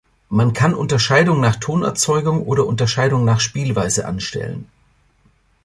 Man kann Unterscheidung nach Tonerzeugung oder Unterscheidung nach Spielweise anstellen.